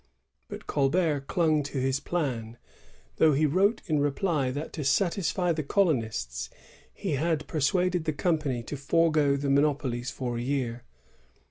^ But Colbert clung to his plan, though he wrote in reply that to satisfy the colonists he had persuaded the company to forego the monopolies for a year.